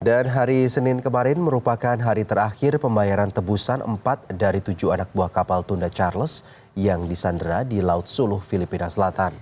dan hari senin kemarin merupakan hari terakhir pembayaran tebusan empat dari tujuh anak buah kapal tunda charles yang disandera di laut suluh filipina selatan